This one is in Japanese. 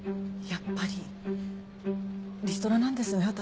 やっぱりリストラなんですね私。